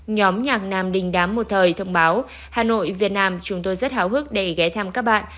nhóm nhạc nam đình đám một thời thông báo hà nội việt nam chúng tôi rất hào hức để ghé thăm các bạn